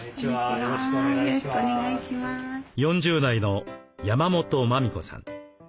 ４０代の山本磨美子さん。